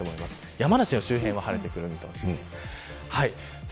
山梨の周辺は晴れてくる見通しです。